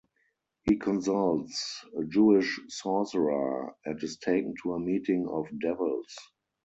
He consults a Jewish sorcerer and is taken to a meeting of devils.